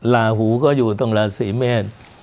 ลาหูก็ยูตรงลาศรีเมศ